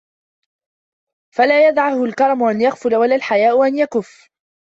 فَلَا يَدَعْهُ الْكَرْمُ أَنْ يَغْفُلَ وَلَا الْحَيَاءُ أَنْ يَكُفَّ